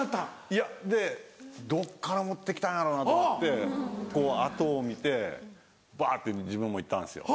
いやでどっから持って来たんやろなと思ってこう跡を見てバって自分も行ったんですよ。